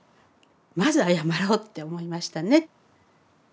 まず謝ろうって思いましたね。